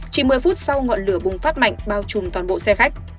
chỉ một mươi phút sau ngọn lửa bùng phát mạnh bao trùm toàn bộ xe khách